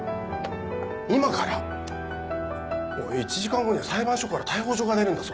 今から⁉１時間後には裁判所から逮捕状が出るんだぞ。